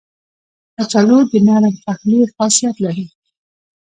کچالو د نرم پخلي خاصیت لري